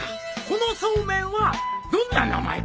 このそうめんはどんな名前かの？